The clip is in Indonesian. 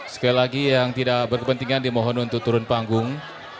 sekali lagi yang tidak berkepentingan dimohon untuk turun panggung